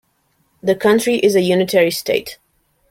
The country is a unitary state.